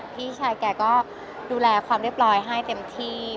พี่ชายแกก็ดูแลความเรียบร้อยให้เต็มที่